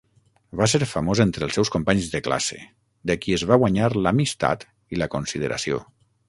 Va ser famós entre els seus companys de classe, de qui es va guanyar l'amistat i la consideració.